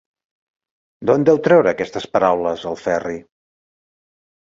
D'on deu treure aquestes paraules, el Ferri?